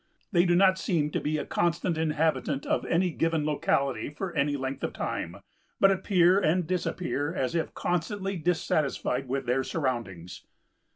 They do not seem to be a constant inhabitant of any given locality for any length of time, but appear and disappear as if constantly dissatisfied with their surroundings.